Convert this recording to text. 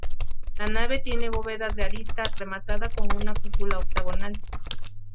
La nave tiene bóvedas de arista rematada con una cúpula octagonal.